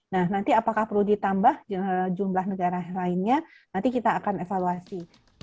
nah nanti apakah perlu ditambah jumlah negara lainnya nanti kita akan evaluasi